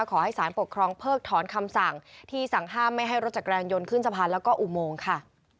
ขอให้สารปกครองเพิกถอนคำสั่งที่สั่งห้ามไม่ให้รถจักรยานยนต์ขึ้นสะพานแล้วก็อุโมงค่ะ